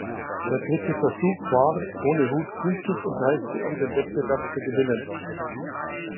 Der dritte Versuch war, ohne Hut, gültig und reichte um den Wettbewerb zu gewinnen.